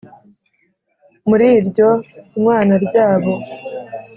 muri iryo nywana ryabo,